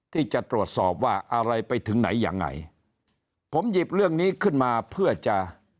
ที่จะตรวจสอบว่าอะไรไปถึงไหนยังไงผมหยิบเรื่องนี้ขึ้นมาเพื่อจะ